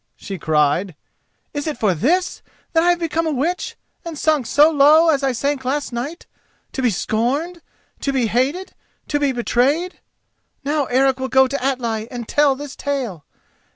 she cried. "Is it for this that I have become a witch, and sunk so low as I sank last night—to be scorned, to be hated, to be betrayed? Now Eric will go to Atli and tell this tale.